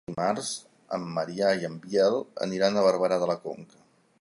Dimarts en Maria i en Biel aniran a Barberà de la Conca.